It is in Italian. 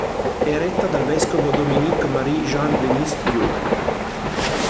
È retta dal vescovo Dominique Marie Jean Denis You.